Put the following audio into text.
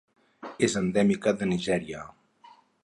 És endèmica de Nigèria.